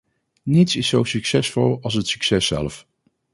Niets is zo succesvol als het succes zelf.